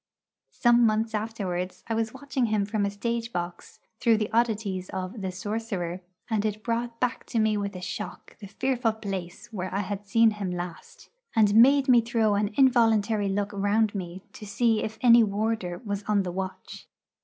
Some months afterwards I was watching him from a stage box through the oddities of the 'Sorcerer,' and it brought back to me with a shock the fearful place where I had seen him last, and made me throw an involuntary look round me to see if any warder was on the watch.